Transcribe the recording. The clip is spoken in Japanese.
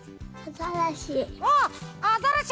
あざらし。